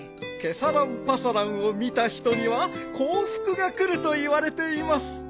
ケサランパサランを見た人には幸福がくるといわれています。